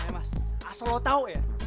mas asal lo tau ya